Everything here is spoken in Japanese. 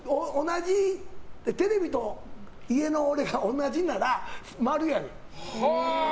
テレビと家の俺が同じなら○やねん。